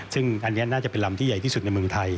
ซึ่งอันนี้น่าจะเป็นลำที่ใหญ่ที่สุดในเมืองไทย